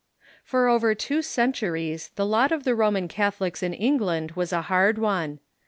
] For over two centuries the lot of the Roman Catholics in England was a hard one.